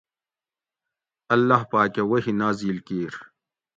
اللّٰہ پاکہ وحی نازل کِیر